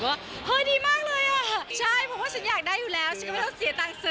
ว่าเฮ่ยดีมากเลยอ่ะ